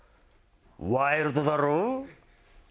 ワイルドだろぉ？